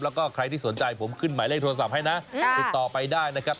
แล้วก็ใครที่สนใจผมขึ้นหมายเลขโทรศัพท์ให้นะติดต่อไปได้นะครับ